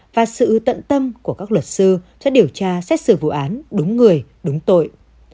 và sự tận tâm của các luật sư sẽ điều tra xét xử vụ án đúng người đúng tội